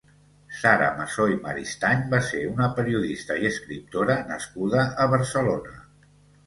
Sara Masó i Maristany va ser una periodista i escriptora nascuda a Barcelona.